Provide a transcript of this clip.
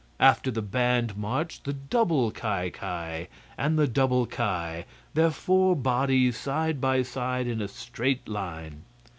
After the band marched the double Ki Ki and the double Ki, their four bodies side by side in a straight line.